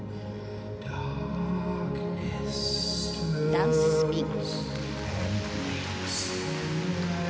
ダンススピン。